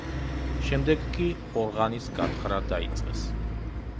შემდეგ კი ყორღანის გათხრა დაიწყეს.